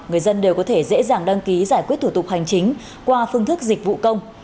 người dân đều có thể dễ dàng đăng ký giải quyết thủ tục hành chính qua phương thức dịch vụ công